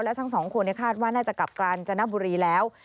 และทั้งสองคนคาดว่าน่าจะกลับกาญจนบุรีแล้ว